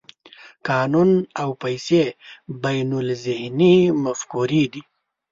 قانون او پیسې بینالذهني مفکورې دي.